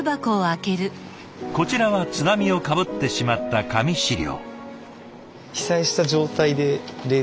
こちらは津波をかぶってしまった紙資料。